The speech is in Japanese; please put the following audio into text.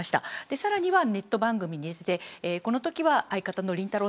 さらにネット番組で、このときは相方のりんたろー。